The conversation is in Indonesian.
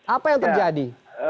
apa yang terjadi